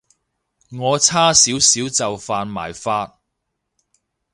我差少少就犯埋法